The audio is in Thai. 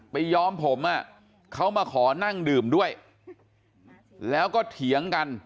ย้อมผมเขามาขอนั่งดื่มด้วยแล้วก็เถียงกัน